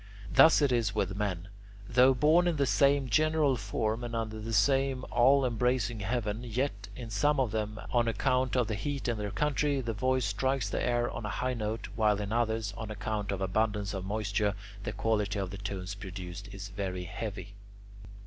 Thus it is with men: though born in the same general form and under the same all embracing heaven, yet in some of them, on account of the heat in their country, the voice strikes the air on a high note, while in others, on account of abundance of moisture, the quality of tones produced is very heavy.